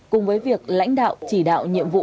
cùng với việc lãnh đạo chỉ đạo nhiệm vụ